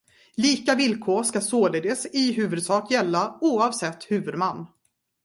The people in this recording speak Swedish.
Lika villkor ska således i huvudsak gälla oavsett huvudman.